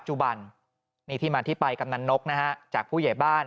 ปี๖๕วันเกิดปี๖๔ไปร่วมงานเช่นเดียวกัน